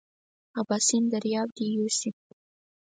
اباسین دریاب دې یوسي.